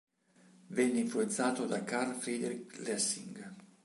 Venne influenzato da Carl Friedrich Lessing.